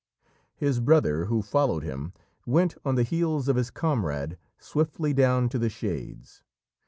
His brother, who followed him, went on the heels of his comrade swiftly down to the Shades.